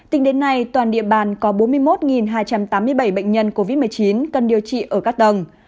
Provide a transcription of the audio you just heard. tính đến nay toàn địa bàn có bốn mươi một hai trăm tám mươi bảy bệnh nhân covid một mươi chín cần điều trị ở các tầng